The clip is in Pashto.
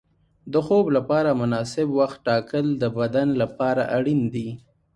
د خوب لپاره مناسب وخت ټاکل د بدن لپاره اړین دي.